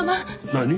何？